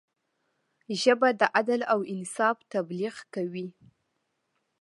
ژبه د عدل او انصاف تبلیغ کوي